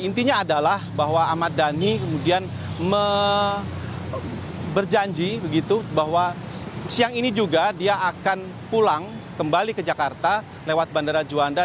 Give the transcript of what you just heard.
intinya adalah bahwa ahmad dhani kemudian berjanji begitu bahwa siang ini juga dia akan pulang kembali ke jakarta lewat bandara juanda